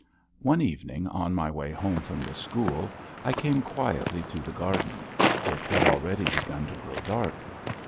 One evening, on my way home from the school, I came quietly through the garden. It had already begun to grow dark.